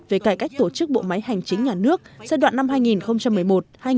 về cải cách tổ chức bộ máy hành chính nhà nước giai đoạn năm hai nghìn một mươi một hai nghìn hai mươi